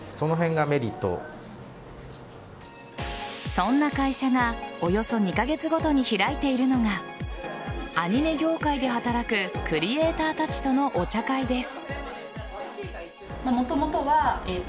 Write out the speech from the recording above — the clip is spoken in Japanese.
そんな会社がおよそ２カ月ごとに開いているのがアニメ業界で働くクリエイターたちとのお茶会です。